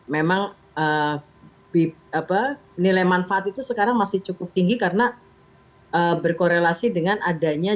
memang nilai manfaat itu sekarang masih cukup tinggi karena berkorelasi dengan adanya